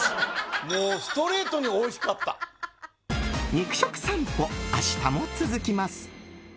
肉食さんぽ、明日も続きます。